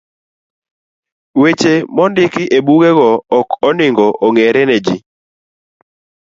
Weche mondiki ebugego ok onego ong'ere ne ji